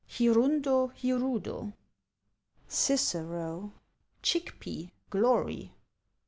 — Hirundo, hirudo. — Cicero, chick pea; glory.